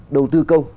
đầu tư công